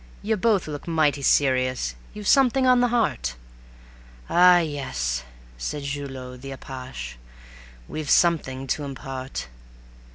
You both look mighty serious; you've something on the heart." "Ah, yes," said Julot the apache, "we've something to impart.